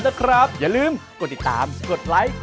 โอ้โห